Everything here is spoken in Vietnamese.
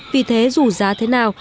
vì thế dù giá thế nào